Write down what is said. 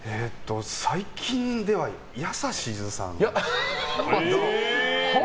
最近ではやさしいずさん。